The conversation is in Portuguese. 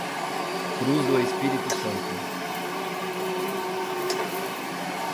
Cruz do Espírito Santo